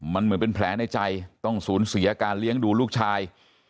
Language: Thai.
มันเหมือนเป็นแผลในใจต้องสูญเสียการเลี้ยงดูลูกชาย